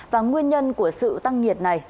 và nguyên nhân của sự tăng nhiệt này